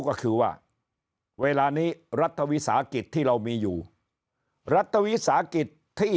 ก็คือว่าเวลานี้รัฐวิสาหกิจที่เรามีอยู่รัฐวิสาหกิจที่